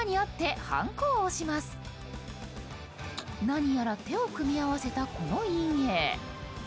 何やら手を組み合わせたこの印影。